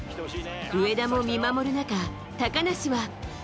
上田も見守る中、高梨は。